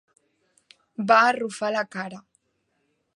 Va arrufar la cara.